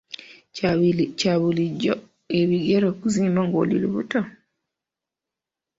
Kya bulijjo ebigere okuzimba ng'oli lubuto?